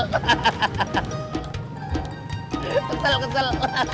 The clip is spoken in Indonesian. masih ada yang mau di cancel